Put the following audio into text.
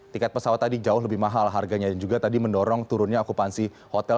tiket pesawat tadi jauh lebih mahal harganya dan juga tadi mendorong turunnya okupansi hotel